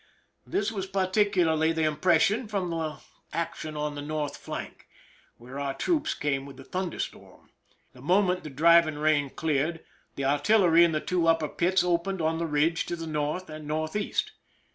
This was particularly the impression from the action on the north flank, where our troops came with the thunder storm.' The moment the driving rain cleared, the artillery in the two upper pits opened on the ridge to the north and northeast.